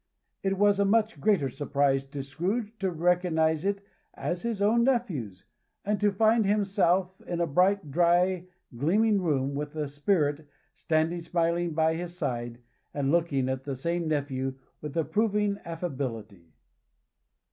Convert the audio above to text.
It was a much greater surprise to Scrooge to recognize it as his own nephew's, and to find himself in a bright, dry, gleaming room, with the Spirit standing smiling by his side, and looking at that same nephew with approving affability!